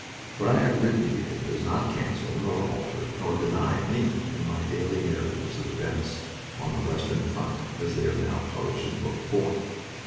What I have written here does not cancel, nor alter, nor deny anything in my daily narratives of events on the western front as they are now published in book form.